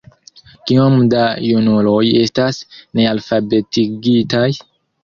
Kiom da junuloj estas nealfabetigitaj?